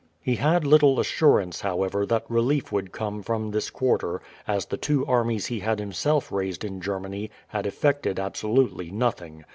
He had little assurance, however, that relief would come from this quarter, as the two armies he had himself raised in Germany had effected absolutely nothing.